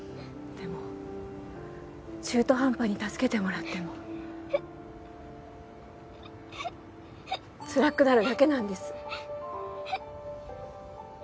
でも中途半端に助けてもらってもつらくなるだけなんです。